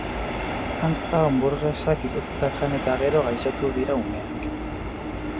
Antza hanburgesa izoztuak jan eta gero gaixotu dira umeak.